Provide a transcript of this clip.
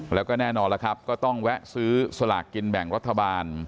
แล้วก็แน่นอนแล้วครับก็ต้องแวะซื้อสลากกินแบ่งรัฐบาล